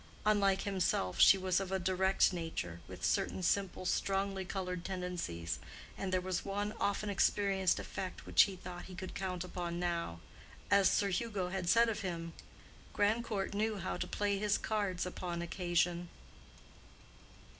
Unlike himself she was of a direct nature, with certain simple strongly colored tendencies, and there was one often experienced effect which he thought he could count upon now. As Sir Hugo had said of him, Grandcourt knew how to play his cards upon occasion.